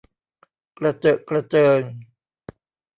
กระเจอะกระเจิง